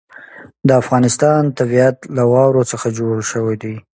د افغانستان طبیعت له واوره څخه جوړ شوی دی.